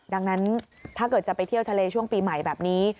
ดังนั้นถ้าเกิดจะไปเที่ยวทะเลช่วงปีใหม่แบบนี้